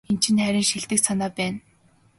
Энэ чинь харин шилдэг санаа байна.